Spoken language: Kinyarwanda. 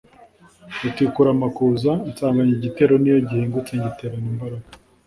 Rutikurana amakuza, nsanganya igitero n’iyo gihingutse ngiterana imbaraga,